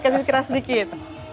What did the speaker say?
kasih keras sedikit